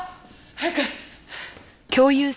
早く！